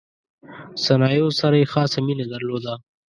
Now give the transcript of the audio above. صنایعو سره یې خاصه مینه درلوده.